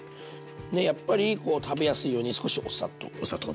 でやっぱりこう食べやすいように少しお砂糖。